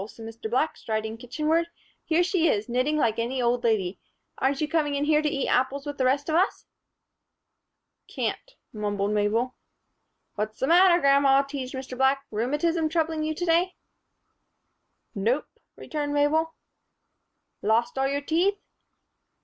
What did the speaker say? said Mr. Black, striding kitchenward, "here she is, knitting like any old lady. Aren't you coming in here to eat apples with the rest of us?" "Can't," mumbled Mabel. "What's the matter, grandma?" teased Mr. Black. "Rheumatism troubling you to day?" "Nope," returned Mabel. "Lost all your teeth?"